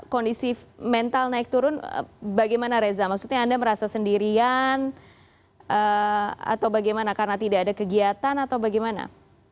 kondisi mental naik turun bagaimana reza maksudnya anda merasa sendirian atau bagaimana karena tidak ada kegiatan atau bagaimana